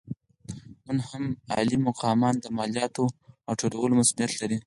نن هم عالي مقامان د مالیاتو راټولولو مسوولیت لري.